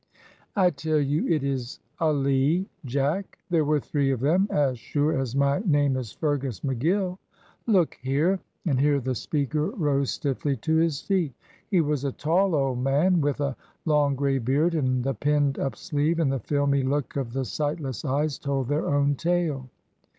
"I tell you it is a lee, Jack; there were three of them, as sure as my name is Fergus McGill. Look here" and here the speaker rose stiffly to his feet. He was a tall old man, with a long grey beard, and the pinned up sleeve and the filmy look of the sightless eyes told their own tale.